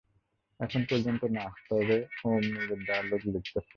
এখন পর্যন্ত না, তবে ওম নিজের ডায়লগ লিখতেছে।